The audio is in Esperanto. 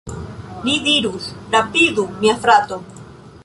Li dirus: "rapidu, mia frato!"